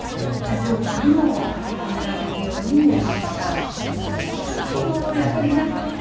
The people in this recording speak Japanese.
女王にも認められるようになりました。